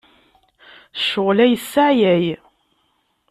Ccɣel-a yesseɛyay.